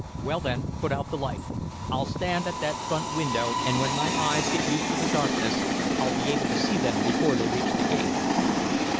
"Well, then, put out the light. I'll stand at that front window, and when my eyes get used to the darkness I'll be able to see them before they reach the gate."